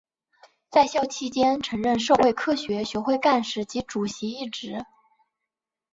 在校期间曾任社会科学学会干事及主席一职。